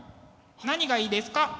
何がいいですか？